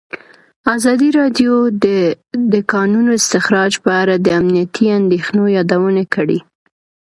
ازادي راډیو د د کانونو استخراج په اړه د امنیتي اندېښنو یادونه کړې.